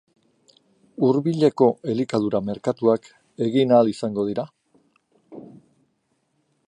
Hurbileko elikadura-merkatuak egin ahal izango dira?